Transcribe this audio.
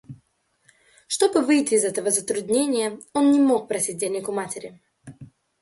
Чтобы выйти из этого затруднения, он не мог просить денег у матери.